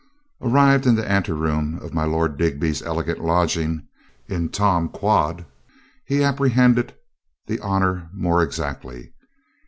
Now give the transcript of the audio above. Arrived in the anteroom of my Lord Digby's elegant lodging in Tom quad, he apprehended the honor more exactly.